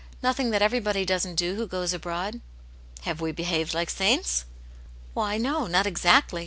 Nothing that every body doesn't do who goes abroad." " Have we behaved like saints }"" Why no, not exactly